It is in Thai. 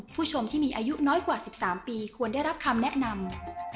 ผู้ชมที่มีอายุน้อยกว่า๑๓ปีควรได้รับคำแนะนำ